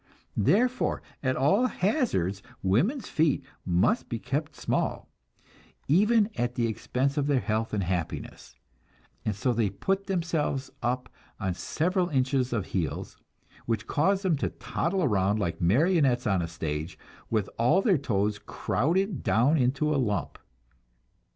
Therefore at all hazards women's feet must be kept small, even at the expense of their health and happiness; and so they put themselves up on several inches of heels, which cause them to toddle around like marionettes on a stage, with all their toes crowded down into a lump.